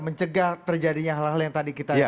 mencegah terjadinya hal hal yang tadi kita